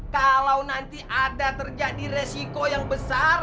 kalau nanti ada terjadi resiko yang besar